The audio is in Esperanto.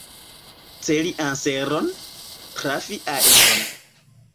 Celi anseron, trafi aeron.